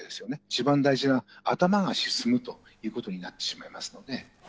一番大事な頭が沈むということになってしまいますので。